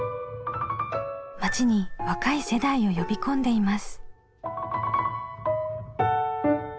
町に若い世代を呼び込んでいます。